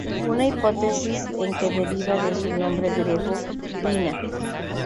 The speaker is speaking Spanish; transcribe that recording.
Una Hipótesis es que deriva de su nombre griego "dina".